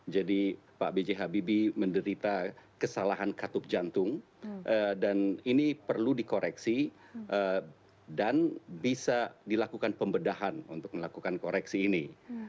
jadi pak b j habibie menderita kesalahan katup jantung dan ini perlu dikoreksi dan bisa dilakukan pembedahan untuk melakukan koreksi ini